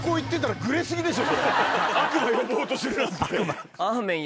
悪魔呼ぼうとするなんて。